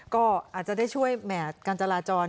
ก็อาจจะได้ช่วยแห่การจราจร